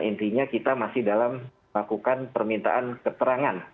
intinya kita masih dalam melakukan permintaan keterangan